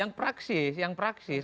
yang praksis yang praksis